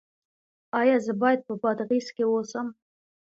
ایا زه باید په بادغیس کې اوسم؟